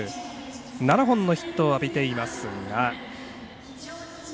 ７本のヒットを浴びていますが。